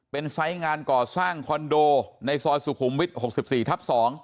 เป็นไซส์งานก่อสร้างคอนโดในซอยสุขุมวิทย์๖๔ทับ๒